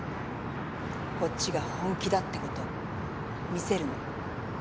こっちが本気だってことを見せるの。